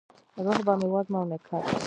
روح به مې وږم او نګهت،